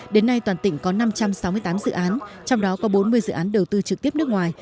đến nay toàn tỉnh có năm trăm sáu mươi tám dự án trong đó có bốn mươi dự án đầu tư trực tiếp nước ngoài